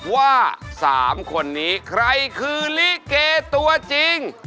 ว่า๓คนนี้ใครคือลิเกตัวจริง